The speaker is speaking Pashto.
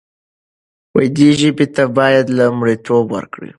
دې ژبې ته باید لومړیتوب ورکړو.